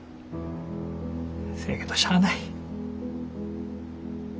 せやけどしゃあない。